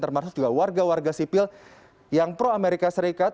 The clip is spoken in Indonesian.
termasuk juga warga warga sipil yang pro amerika serikat